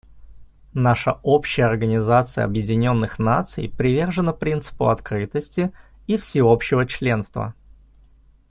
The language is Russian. Наша общая Организация Объединенных Наций привержена принципу открытости и всеобщего членства.